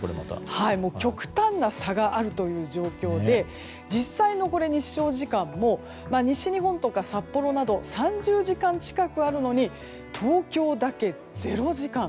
極端な差があるという状況で実際の日照時間も西日本とか札幌など３０時間近くあるのに東京だけ０時間。